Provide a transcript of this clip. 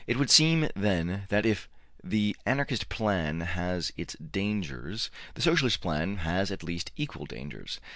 It would seem, then, that if the Anarchist plan has its dangers, the Socialist plan has at least equal dangers.